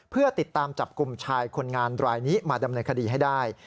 เพื่อติดตามจับกลุ่มชายคนงานรายนี้มาดำเนินคดีให้ได้